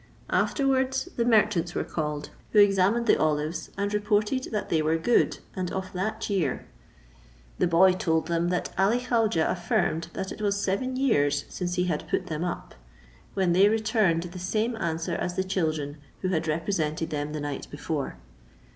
Afterwards the merchants were called, who examined the olives, and reported that they were good, and of that year. The boy told them, that Ali Khaujeh affirmed that it was seven years since he had put them up; when they returned the same answer as the children, who had represented them the night before.